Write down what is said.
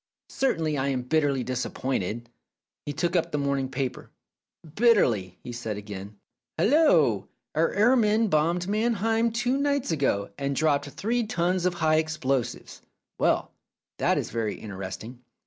Certainly I am bitterly disap pointed." He took up the morning paper. "Bitterly!" he said again. "Hallo! Our air men bombed Mannheim two nights ago, and dropped three tons of high explosives. Well, that is very interesting.